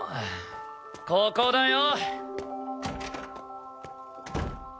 ここだよ！